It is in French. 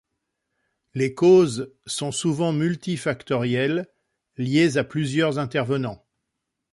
Les causes sont souvent multifactorielles, liées à plusieurs intervenants.